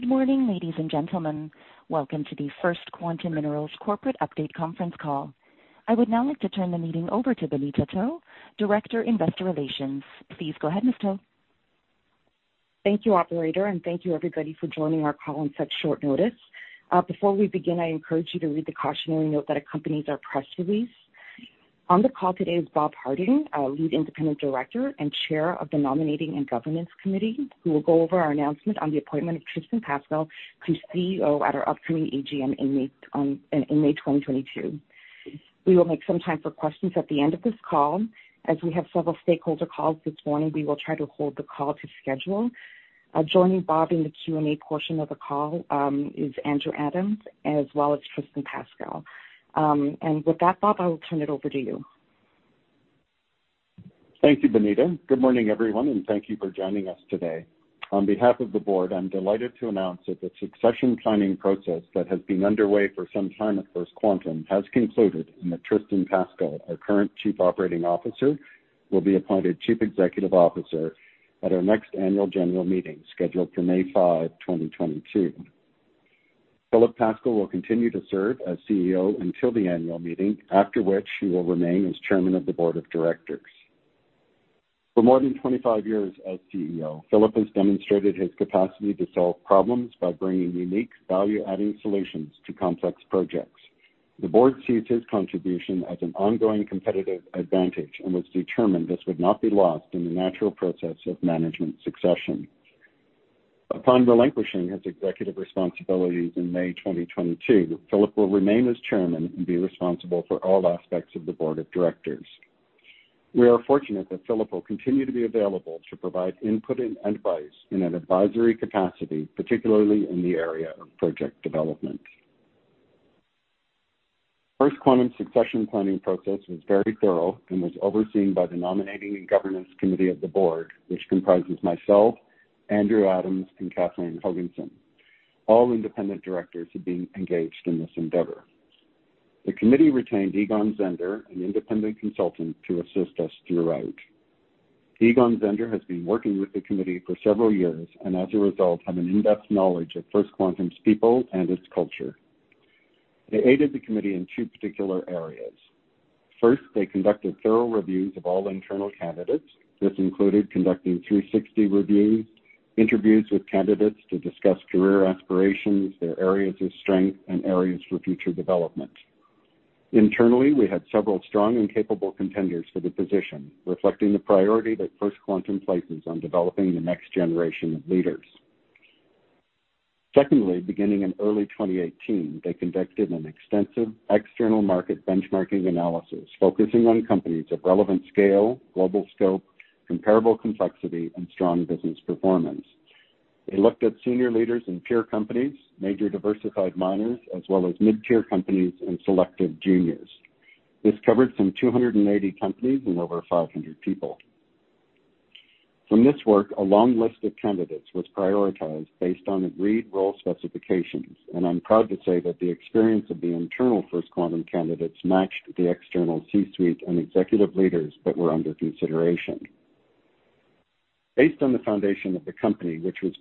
Good morning, ladies and gentlemen. Welcome to the First Quantum Minerals Corporate Update Conference Call. I would now like to turn the meeting over to Bonita To, Director, Investor Relations. Please go ahead, Ms. To. Thank you operator and thank you, everybody for joining our call on such short notice. Before we begin, I encourage you to read the cautionary note that accompanies our press release. On the call today is Bob Harding, our Lead Independent Director and Chair of the Nominating and Governance Committee, who will go over our announcement on the appointment of Tristan Pascall to CEO at our upcoming AGM in May 2022. We will make some time for questions at the end of this call. As we have several stakeholder calls this morning, we will try to hold the call to schedule. Joining Bob in the Q&A portion of the call is Andrew Adams as well as Tristan Pascall. With that Bob, I will turn it over to you. Thank you, Bonita. Good morning, everyone, and thank you for joining us today. On behalf of the board, I'm delighted to announce that the succession planning process that has been underway for some time at First Quantum has concluded, and that Tristan Pascall, our current Chief Operating Officer, will be appointed Chief Executive Officer at our next annual general meeting scheduled for May 5, 2022. Philip Pascall will continue to serve as CEO until the annual meeting, after which he will remain as Chairman of the Board of Directors. For more than 25 years as CEO, Philip has demonstrated his capacity to solve problems by bringing unique value-adding solutions to complex projects. The board sees his contribution as an ongoing competitive advantage and was determined this would not be lost in the natural process of management succession. Upon relinquishing his executive responsibilities in May 2022, Philip will remain as chairman and be responsible for all aspects of the board of directors. We are fortunate that Philip will continue to be available to provide input and advice in an advisory capacity, particularly in the area of project development. First Quantum succession planning process was very thorough and was overseen by the Nominating and Governance Committee of the board, which comprises myself, Andrew Adams, and Kathleen Hogenson, all independent directors have been engaged in this endeavor. The committee retained Egon Zehnder, an independent consultant, to assist us throughout. Egon Zehnder has been working with the committee for several years, and as a result, have an in-depth knowledge of First Quantum's people and its culture. They aided the committee in two particular areas. First, they conducted thorough reviews of all internal candidates. This included conducting 360 reviews, interviews with candidates to discuss career aspirations, their areas of strength, and areas for future development. Internally, we had several strong and capable contenders for the position, reflecting the priority that First Quantum places on developing the next generation of leaders. Secondly, beginning in early 2018, they conducted an extensive external market benchmarking analysis focusing on companies of relevant scale, global scope, comparable complexity, and strong business performance. They looked at senior leaders in peer companies, major diversified miners, as well as mid-tier companies and selective juniors. This covered some 280 companies and over 500 people. From this work, a long list of candidates was prioritized based on agreed role specifications, and I'm proud to say that the experience of the internal First Quantum candidates matched the external C-suite and executive leaders that were under consideration. Based on the foundation of the company, which is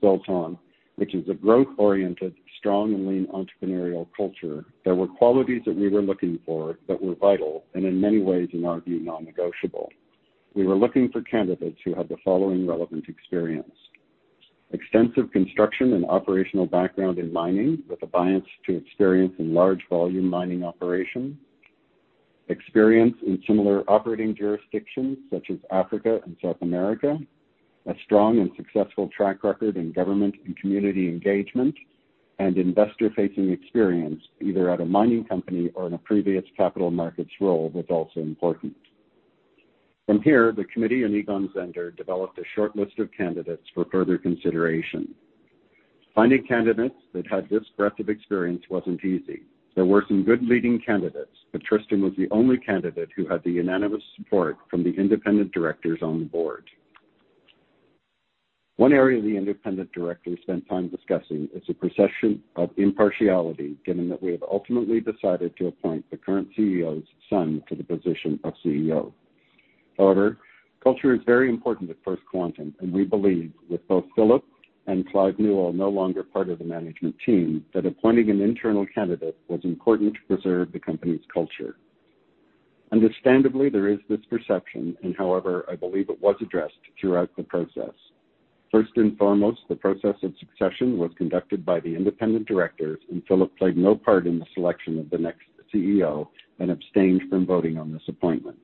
a growth-oriented, strong and lean entrepreneurial culture, there were qualities that we were looking for that were vital and in many ways, in our view, non-negotiable. We were looking for candidates who had the following relevant experience. Extensive construction and operational background in mining, with a balance of experience in large volume mining operations. Experience in similar operating jurisdictions such as Africa and South America. A strong and successful track record in government and community engagement and investor-facing experience, either at a mining company or in a previous capital markets role was also important. From here, the committee and Egon Zehnder developed a short list of candidates for further consideration. Finding candidates that had this breadth of experience wasn't easy. There were some good leading candidates, but Tristan was the only candidate who had the unanimous support from the independent directors on the board. One area the independent directors spent time discussing is the perception of impartiality, given that we have ultimately decided to appoint the current CEO's son to the position of CEO. However, culture is very important at First Quantum, and we believe with both Philip and Clive Newall no longer part of the management team, that appointing an internal candidate was important to preserve the company's culture. Understandably, there is this perception, and however I believe it was addressed throughout the process. First and foremost, the process of succession was conducted by the independent directors, and Philip played no part in the selection of the next CEO and abstained from voting on this appointment.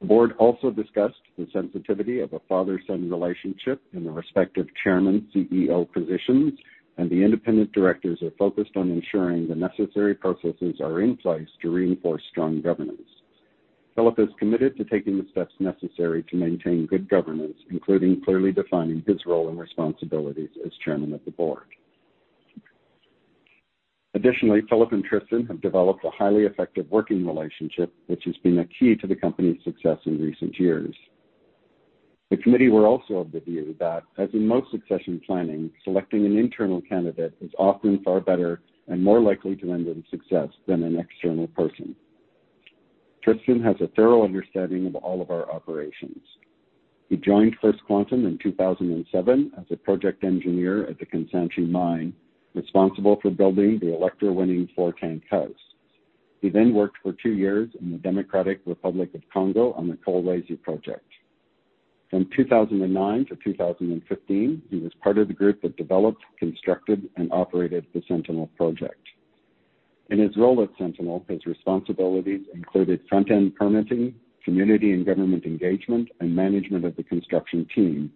The board also discussed the sensitivity of a father-son relationship in the respective chairman CEO positions, and the independent directors are focused on ensuring the necessary processes are in place to reinforce strong governance. Philip is committed to taking the steps necessary to maintain good governance, including clearly defining his role and responsibilities as chairman of the board. Additionally, Philip and Tristan have developed a highly effective working relationship, which has been a key to the company's success in recent years. The committee were also of the view that, as in most succession planning, selecting an internal candidate is often far better and more likely to end in success than an external person. Tristan has a thorough understanding of all of our operations. He joined First Quantum in 2007 as a project engineer at the Kansanshi Mine, responsible for building the Electrowinning 4 tankhouse. He then worked for two years in the Democratic Republic of the Congo on the Kolwezi project. From 2009-2015, he was part of the group that developed, constructed, and operated the Sentinel project. In his role at Sentinel, his responsibilities included front-end permitting, community and government engagement, and management of the construction team,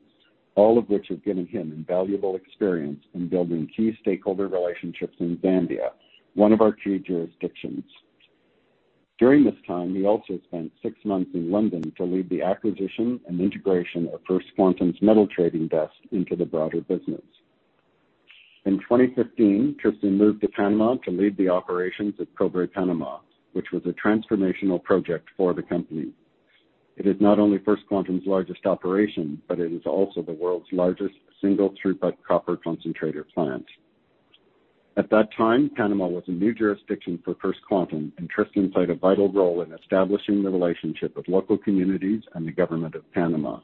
all of which have given him invaluable experience in building key stakeholder relationships in Zambia, one of our key jurisdictions. During this time, he also spent six months in London to lead the acquisition and integration of First Quantum's metal trading desk into the broader business. In 2015, Tristan moved to Panama to lead the operations at Cobre Panamá, which was a transformational project for the company. It is not only First Quantum's largest operation, but it is also the world's largest single throughput copper concentrator plant. At that time, Panamá was a new jurisdiction for First Quantum, and Tristan played a vital role in establishing the relationship with local communities and the government of Panama.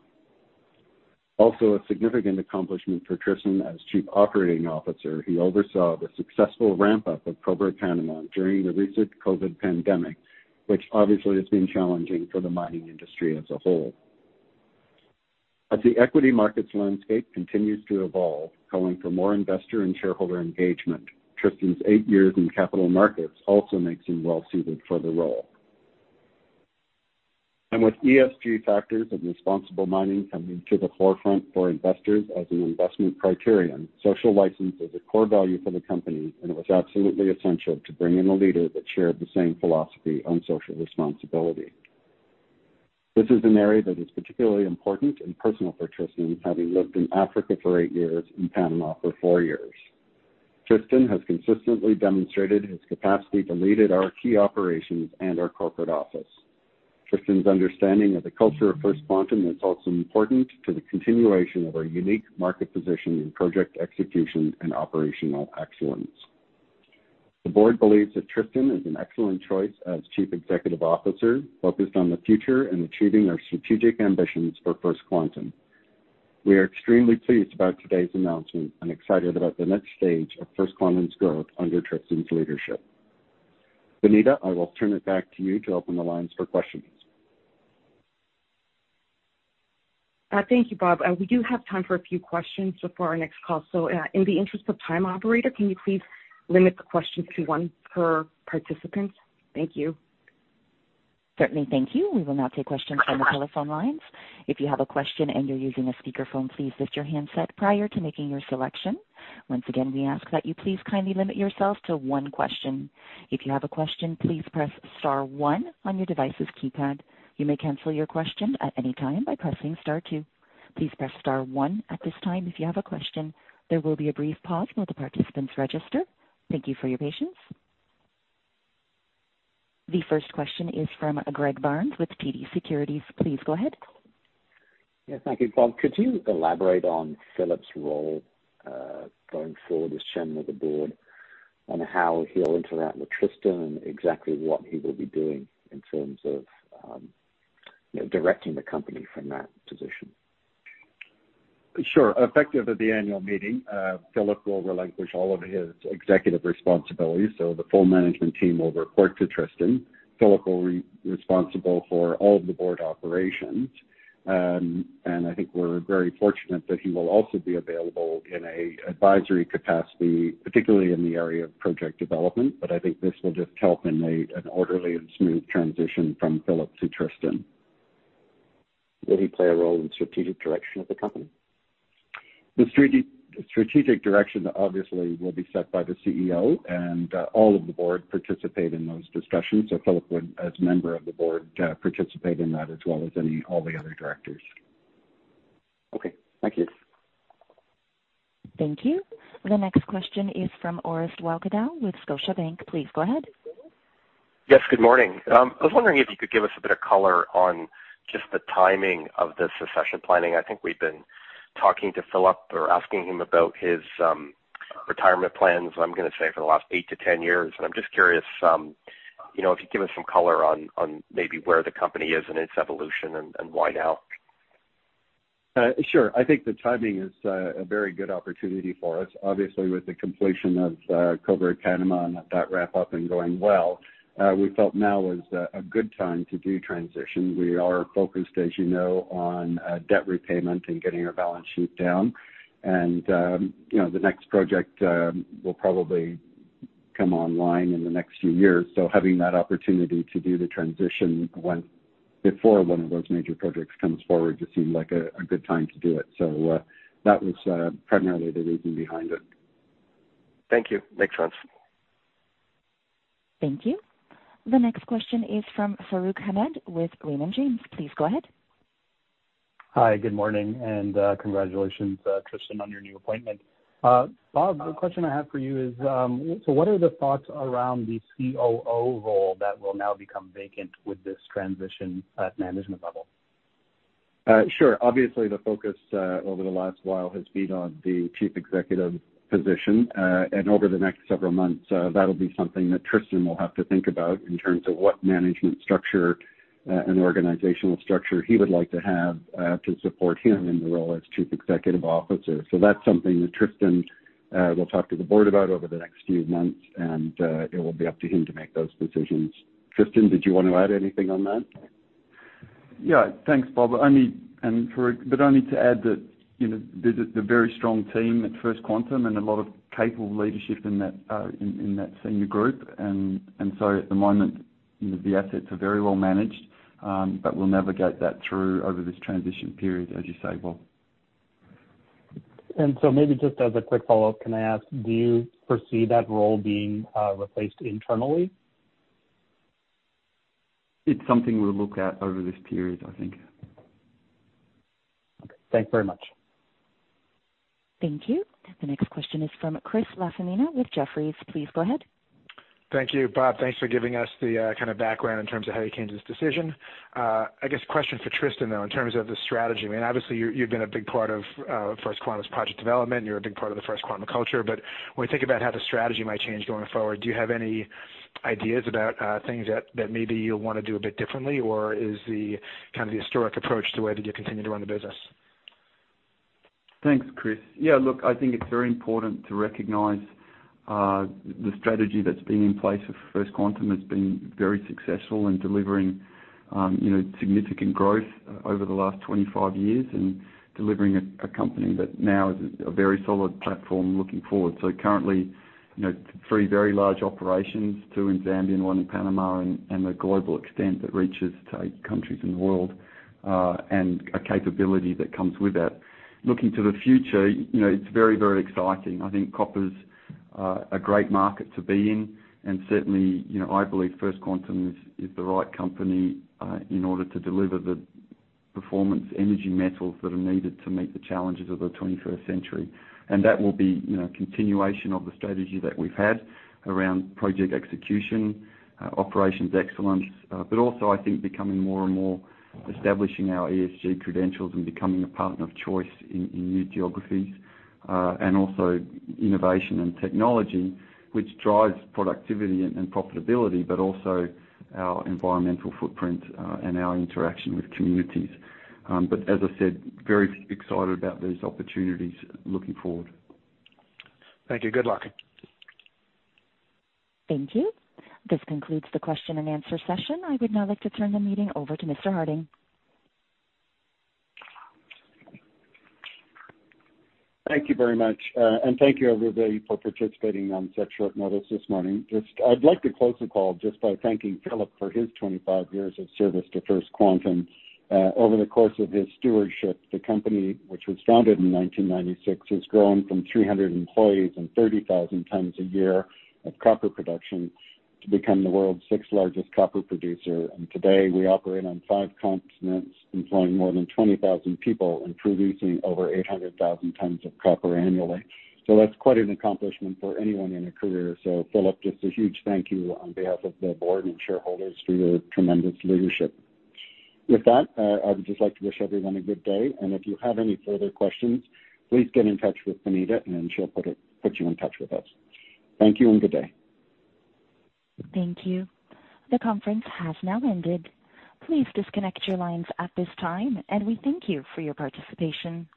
Also a significant accomplishment for Tristan as Chief Operating Officer, he oversaw the successful ramp-up of Cobre Panamá during the recent COVID pandemic, which obviously has been challenging for the mining industry as a whole. As the equity markets landscape continues to evolve, calling for more investor and shareholder engagement, Tristan's eight years in capital markets also makes him well suited for the role. With ESG factors and responsible mining coming to the forefront for investors as an investment criterion, social license is a core value for the company, and it was absolutely essential to bring in a leader that shared the same philosophy on social responsibility. This is an area that is particularly important and personal for Tristan, having lived in Africa for eight years and Panamá for four years. Tristan has consistently demonstrated his capacity to lead at our key operations and our corporate office. Tristan's understanding of the culture of First Quantum is also important to the continuation of our unique market position in project execution and operational excellence. The board believes that Tristan is an excellent choice as Chief Executive Officer focused on the future and achieving our strategic ambitions for First Quantum. We are extremely pleased about today's announcement and excited about the next stage of First Quantum's growth under Tristan's leadership. Bonita, I will turn it back to you to open the lines for questions. Thank you, Bob. We do have time for a few questions before our next call. In the interest of time, operator, can you please limit the questions to one per participant? Thank you. Certainly. Thank you. We will now take questions from the telephone lines. If you have a question and you're using a speakerphone, please mute your handset prior to making your selection. Once again, we ask that you please kindly limit yourselves to one question. If you have a question, please press star one on your device's keypad. You may cancel your question at any time by pressing star two. Please press star one at this time if you have a question. There will be a brief pause while the participants register. Thank you for your patience. The first question is from Greg Barnes with TD Securities. Please go ahead. Yeah. Thank you Bob, could you elaborate on Philip's role going forward as Chairman of the Board, on how he'll interact with Tristan and exactly what he will be doing in terms of, you know, directing the company from that position? Sure. Effective at the annual meeting, Philip will relinquish all of his executive responsibilities, so the full management team will report to Tristan. Philip will be responsible for all of the board operations. I think we're very fortunate that he will also be available in an advisory capacity, particularly in the area of project development. I think this will just help in an orderly and smooth transition from Philip to Tristan. Will he play a role in strategic direction of the company? The strategic direction obviously will be set by the CEO, and all of the board participate in those discussions. Philip would, as member of the board, participate in that as well as all the other directors. Okay. Thank you. Thank you. The next question is from Orest Wowkodaw with Scotiabank. Please go ahead. Yes, good morning. I was wondering if you could give us a bit of color on just the timing of the succession planning. I think we've been talking to Philip or asking him about his retirement plans, I'm gonna say for the last eight-10 years. I'm just curious, you know, if you give us some color on maybe where the company is in its evolution and why now. Sure. I think the timing is a very good opportunity for us. Obviously, with the completion of Cobre Panamá and that wrap up and going well, we felt now was a good time to do transition. We are focused, as you know, on debt repayment and getting our balance sheet down. You know, the next project will probably come online in the next few years. Having that opportunity to do the transition when before one of those major projects comes forward just seemed like a good time to do it. That was primarily the reason behind it. Thank you. Makes sense. Thank you. The next question is from Farooq Hamed with Raymond James. Please go ahead. Hi, Good morning and congratulations, Tristan on your new appointment. Bob, the question I have for you is, what are the thoughts around the COO role that will now become vacant with this transition at management level? Sure. Obviously, the focus over the last while has been on the Chief Executive position. Over the next several months, that'll be something that Tristan will have to think about in terms of what management structure and organizational structure he would like to have to support him in the role as Chief Executive Officer. That's something that Tristan will talk to the board about over the next few months, and it will be up to him to make those decisions. Tristan, did you want to add anything on that? Yeah. Thanks, Bob. Only to add that, you know, there's a very strong team at First Quantum and a lot of capable leadership in that senior group. At the moment, you know, the assets are very well managed, but we'll navigate that through over this transition period, as you say, Bob. Maybe just as a quick follow-up, can I ask, do you foresee that role being replaced internally? It's something we'll look at over this period, I think. Okay. Thanks very much. Thank you. The next question is from Chris LaFemina with Jefferies. Please go ahead. Thank you, Bob. Thanks for giving us the kind of background in terms of how you came to this decision. I guess question for Tristan, though, in terms of the strategy. I mean, obviously, you've been a big part of First Quantum's project development, you're a big part of the First Quantum culture, but when we think about how the strategy might change going forward, do you have any ideas about things that maybe you'll wanna do a bit differently, or is the kind of the historic approach the way that you continue to run the business? Thanks, Chris. Yeah, look, I think it's very important to recognize the strategy that's been in place for First Quantum. It's been very successful in delivering, you know, significant growth over the last 25 years and delivering a company that now is a very solid platform looking forward. Currently, you know, three very large operations, two in Zambia and one in Panamá, and a global extent that reaches to countries in the world, and a capability that comes with that. Looking to the future, you know, it's very, very exciting. I think copper's a great market to be in, and certainly, you know, I believe First Quantum is the right company in order to deliver the performance energy metals that are needed to meet the challenges of the twenty-first century. That will be, you know, continuation of the strategy that we've had around project execution, operations excellence, but also I think becoming more and more establishing our ESG credentials and becoming a partner of choice in new geographies, and also innovation and technology, which drives productivity and profitability, but also our environmental footprint, and our interaction with communities. As I said, very excited about these opportunities looking forward. Thank you. Good luck. Thank you. This concludes the question and answer session. I would now like to turn the meeting over to Mr. Harding. Thank you very much. Thank you, everybody, for participating on such short notice this morning. I'd like to close the call just by thanking Philip for his 25 years of service to First Quantum. Over the course of his stewardship, the company, which was founded in 1996, has grown from 300 employees and 30,000 tons a year of copper production to become the world's sixth largest copper producer. Today, we operate on five continents, employing more than 20,000 people and producing over 800,000 tons of copper annually. That's quite an accomplishment for anyone in a career. Philip, just a huge thank you on behalf of the board and shareholders for your tremendous leadership. With that, I would just like to wish everyone a good day. If you have any further questions, please get in touch with Bonita, and she'll put you in touch with us. Thank you and good day. Thank you. The conference has now ended. Please disconnect your lines at this time, and we thank you for your participation.